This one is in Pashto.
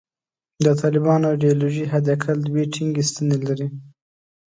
د طالبانو ایدیالوژي حد اقل دوې ټینګې ستنې لري.